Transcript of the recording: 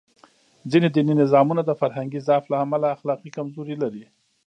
ځینې دیني نظامونه د فرهنګي ضعف له امله اخلاقي کمزوري لري.